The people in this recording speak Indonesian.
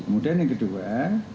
kemudian yang kedua